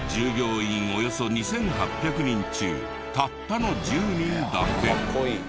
およそ２８００人中たったの１０人だけ。